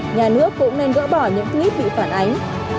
nhà nước cũng nên gỡ bỏ những clip bị phản ánh